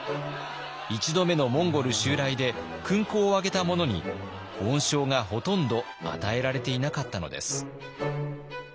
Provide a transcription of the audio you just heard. １度目のモンゴル襲来で勲功を挙げた者に恩賞がほとんど与えられていなかったのです。